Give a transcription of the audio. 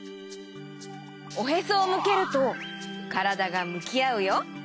おへそをむけるとからだがむきあうよ。